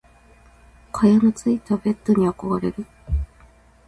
蚊帳のついたベット憧れる。